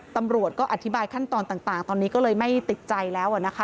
ตำรวจก็อธิบายขั้นตอนต่างตอนนี้ก็เลยไม่ติดใจแล้วนะคะ